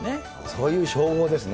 そういう称号ですね。